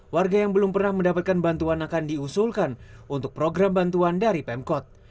warga yang belum pernah mendapatkan bantuan akan diusulkan untuk program bantuan dari pemkot